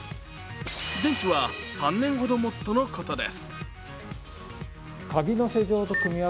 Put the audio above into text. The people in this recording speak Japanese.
電池は３年ほどもつとのことです。